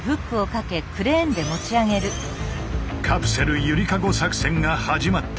「カプセルゆりかご作戦」が始まった。